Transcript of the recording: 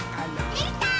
できたー！